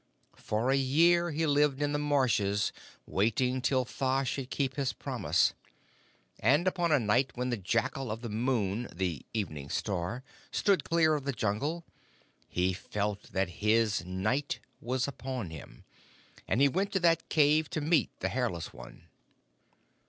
For a year he lived in the marshes, waiting till Tha should keep his promise. And upon a night when the Jackal of the Moon [the Evening Star] stood clear of the Jungle, he felt that his Night was upon him, and he went to that cave to meet the Hairless One.